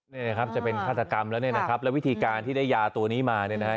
นี่นะครับจะเป็นฆาตกรรมแล้วเนี่ยนะครับแล้ววิธีการที่ได้ยาตัวนี้มาเนี่ยนะฮะ